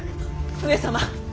上様！